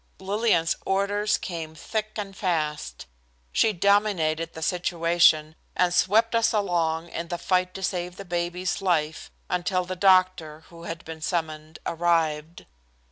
Lillian's orders came thick and fast. She dominated the situation and swept us along in the fight to save the baby's life until the doctor, who had been summoned, arrived.